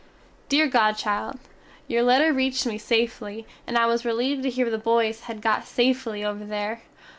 Deer godchild, Your letter reeched me safely, and I was releeved to here the boys had got safely "over there."